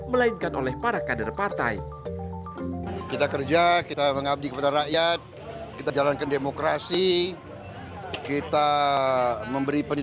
melainkan oleh para kader partai